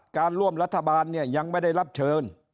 การร่วมรัฐบาลเนี่ยยังไม่ได้รับเชิญ